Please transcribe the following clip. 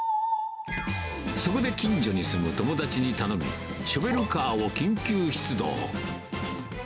そこで近所に住む友達に頼み、ショベルカーを緊急出動。